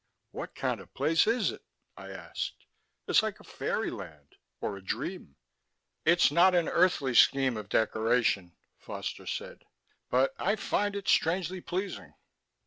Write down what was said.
"What kind of place is it?" I asked. "It's like a fairyland, or a dream." "It's not an earthly scheme of decoration," Foster said, "but I find it strangely pleasing."